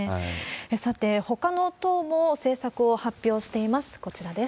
さて、ほかの党も政策を発表しています。